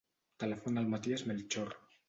Telefona al Matías Melchor.